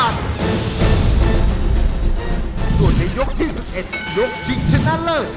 ส่วนในยกที่๑๑ยกชิงชนะเลิศ